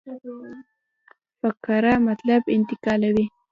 فقره مطلب انتقالوي.